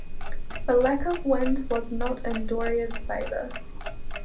The lack of wind was not in Doria's favor.